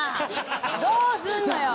どうすんのよ。